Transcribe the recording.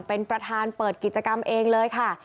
เป็นประธานเปิดกิจกรรมเองเลยค่ะ